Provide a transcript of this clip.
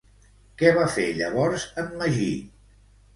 Què va fer llavors en Magí?